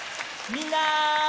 みんな！